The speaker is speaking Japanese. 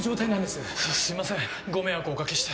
すいませんご迷惑をお掛けして。